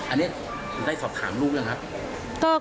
อันนี้คุณได้สอบถามลูกหรือยังครับ